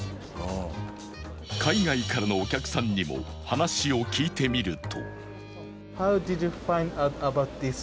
海外からのお客さんにも話を聞いてみると